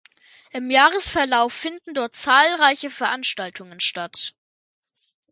Im Jahresverlauf finden dort zahlreiche Veranstaltungen statt.